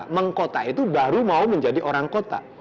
mengkota itu baru mau menjadi orang kota